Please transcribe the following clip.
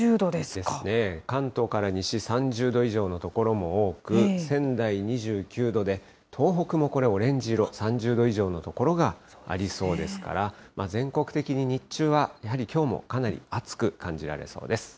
ですね、関東から西、３０度以上の所も多く、仙台２９度で、東北もこれ、オレンジ色、３０度以上の所がありそうですから、全国的に日中はやはりきょうもかなり暑く感じられそうです。